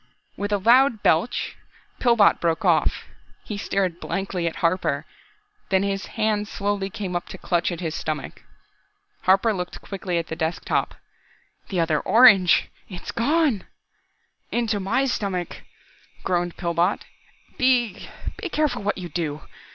With a loud belch, Pillbot broke off. He stared blankly at Harper, then his hands slowly came up to clutch at his stomach. Harper looked quickly at the desk top. "The other orange," he gasped. "It's gone!" "Into my stomach!" groaned Pillbot. "Be be careful what you do!